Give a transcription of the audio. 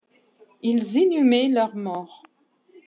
Ils inhumaient leurs morts.